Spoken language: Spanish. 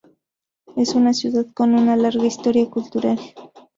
Es una ciudad con una larga historia cultural.